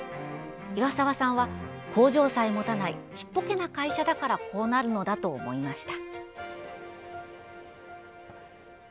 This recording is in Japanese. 岩沢さんは、工場さえ持たないちっぽけな会社だからこうなるのだと思いました。